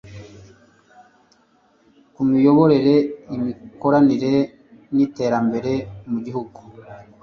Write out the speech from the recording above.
ku imiyoborere, imikoranire n'iterambere mu gihugu